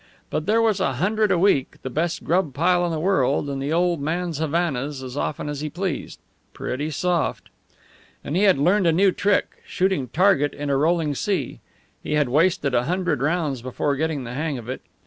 But there was a hundred a week, the best grub pile in the world, and the old man's Havanas as often as he pleased. Pretty soft! And he had learned a new trick shooting target in a rolling sea. He had wasted a hundred rounds before getting the hang of it.